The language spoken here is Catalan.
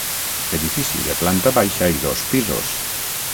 Edifici de planta baixa i dos pisos.